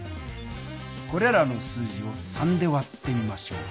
これらの数字を３で割ってみましょう。